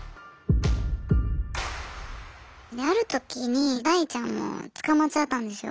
ある時にダイちゃんも捕まっちゃったんですよ。